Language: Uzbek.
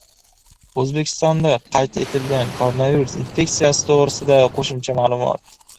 O‘zbekistonda qayd etilgan koronavirus infeksiyasi to‘g‘risida qo‘shimcha ma’lumot